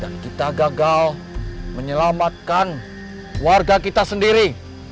dan kita gagal menyelamatkan warga kita sendiri